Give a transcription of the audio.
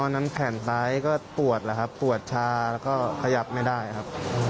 นั้นแขนซ้ายก็ปวดแล้วครับปวดชาแล้วก็ขยับไม่ได้ครับ